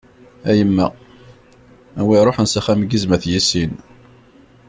A yemma, a wi ṛuḥen s axxam n yizem ad t-yissin.